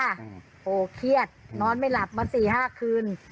โหเครียดนอนไม่หลับมาสี่ห้าคืน